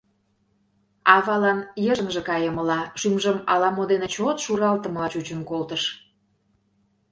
Авалан йыжыҥже кайымыла, шӱмжым ала-мо дене чот шуралтымыла чучын колтыш.